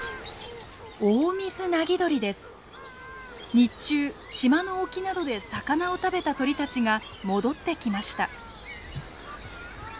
日中島の沖などで魚を食べた鳥たちが戻ってきました。